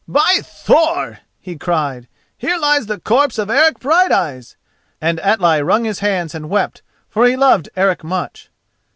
"By Thor!" he cried, "here lies the corpse of Eric Brighteyes!" and Atli wrung his hands and wept, for he loved Eric much.